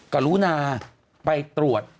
กับลูนาไปตรวจ